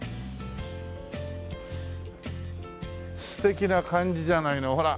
素敵な感じじゃないのほら。